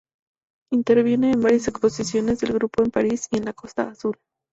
Interviene en varias exposiciones de grupo en París y en la Costa Azul.